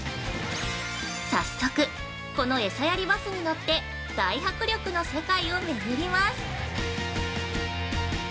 早速、この餌やりバスに乗って、大迫力の世界を巡ります。